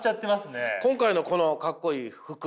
今回のこのかっこいい服